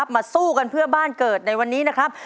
มาสู้กันเพื่อบ้านเกิดในวันนี้นะครับ